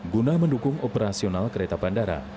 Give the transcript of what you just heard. guna mendukung operasional kereta bandara